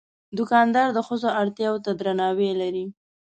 دوکاندار د ښځو اړتیا ته درناوی لري.